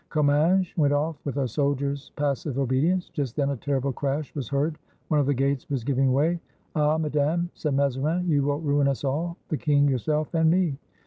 Comminges went off with a soldier's passive obedi ence. Just then a terrible crash was heard; one of the gates was giving way. "Ah, Madame," said Mazarin, "you will ruin us all, — the king, yourself, and me."